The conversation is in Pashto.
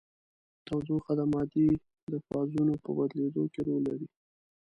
تودوخه د مادې د فازونو په بدلیدو کې رول لري.